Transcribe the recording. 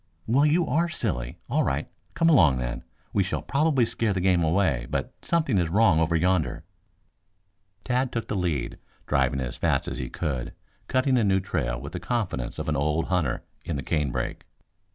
"Well, you are a silly! All right; come along then. We shall probably scare the game away, but something is wrong over yonder." Tad took the lead, driving as fast as he could, cutting a new trail with the confidence of an old hunter in the canebrake.